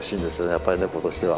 やっぱりネコとしては。